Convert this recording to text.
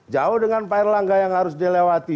jauh dengan pak erlangga yang harus dilewati